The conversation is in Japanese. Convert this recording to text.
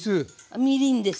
みりんです。